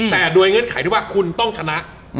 แต่โดยเงื่อนไขที่ว่าคุณต้องชนะ